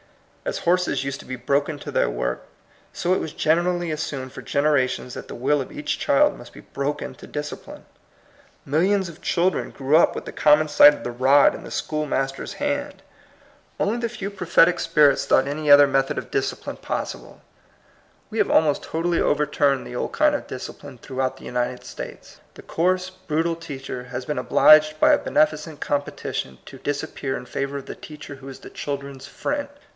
As horses used to be broken to their work, so it was generally assumed for generations that the will of each child must be broken to discipline. Millions of children grew up with the com mon sight of the rod in the schoolmas ter's hand. Only the few prophetic spirits 22 THE COMING PEOPLE. thought any other method of discipline possible. We have almost totally over turned the old kind of discipline through out the United States. The coarse, brutal teacher has been obliged by a beneficent competition to disappear in favor of the teacher who is the children's friend.